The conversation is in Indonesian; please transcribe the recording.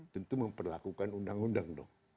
tentu memperlakukan undang undang